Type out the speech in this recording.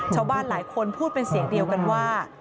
ชาวบ้านหลายคนพูดเป็นเสียงเดียวกันว่า